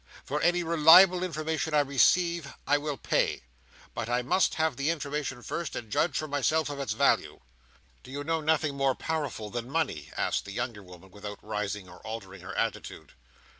For any reliable information I receive, I will pay. But I must have the information first, and judge for myself of its value." "Do you know nothing more powerful than money?" asked the younger woman, without rising, or altering her attitude.